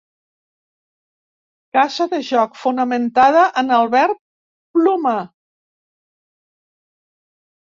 Casa de joc fonamentada en el verb plomar.